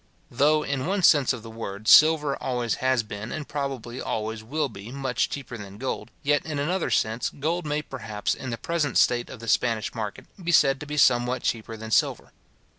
Though, in one sense of the word, silver always has been, and probably always will be, much cheaper than gold; yet, in another sense, gold may perhaps, in the present state of the Spanish market, be said to be somewhat cheaper than silver.